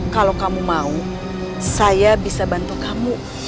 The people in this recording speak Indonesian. kalau kamu mau saya bisa bantu kamu